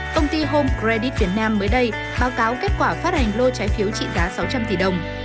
công ty home credit việt nam mới đây báo cáo kết quả phát hành lô trái phiếu trị giá sáu trăm linh tỷ đồng